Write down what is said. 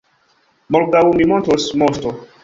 Morgaŭ mi montros, moŝto!